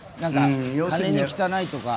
金に汚いとか。